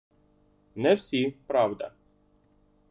Не всі, правда.